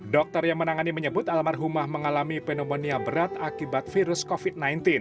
dokter yang menangani menyebut almarhumah mengalami pneumonia berat akibat virus covid sembilan belas